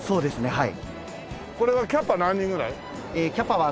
はい。